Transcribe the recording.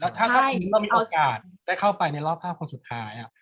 แล้วก็ถ้าในเมื่อกี้เรามีโอกาสได้เข้าไปในรอบภาพชุดท้าย